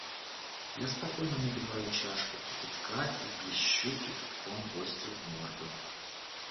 Я спокойно наливаю чашку кипятка и плещу кипятком гостю в морду.